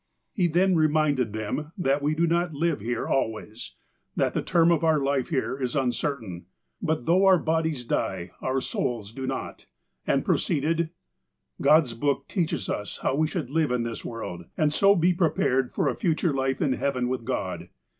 He then reminded them that we do not live here always, that the term of our life here is uncertain ; but, though our bodies die, our souls do not, and proceeded : "God's Book teaches us how we should live in this world, and so be prepared for a future life in heaven with God.